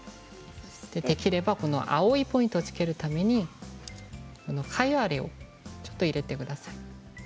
できれば青いポイントをつけるために貝割れをちょっと入れてください。